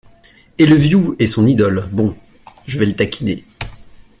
Elleviou est son idole, bon ! je vais le taquiner…